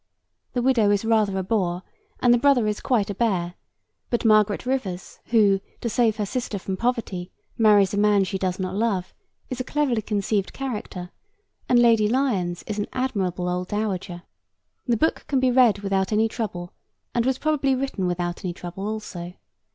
The widow is rather a bore and the brother is quite a bear, but Margaret Rivers who, to save her sister from poverty, marries a man she does not love, is a cleverly conceived character, and Lady Lyons is an admirable old dowager. The book can be read without any trouble and was probably written without any trouble also.